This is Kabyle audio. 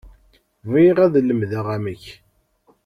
Bɣiɣ ad lemdeɣ amek.